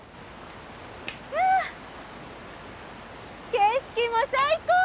景色も最高！